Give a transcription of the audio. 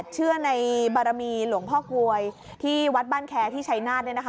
เชื่อในบารมีหลวงพ่อกลวยที่วัดบ้านแคร์ที่ชัยนาธ